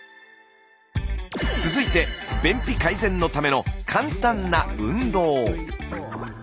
続いて便秘改善のための簡単な運動。